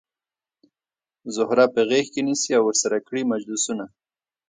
زهره په غیږ کې نیسي ورسره کړي مجلسونه